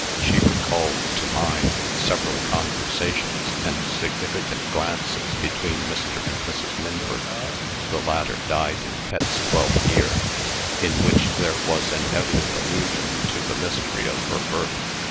She recalled to mind several conversations and significant glances between Mr. and Mrs. Minford (the latter died in Pet's twelfth year), in which there was an evident allusion to the mystery of her birth.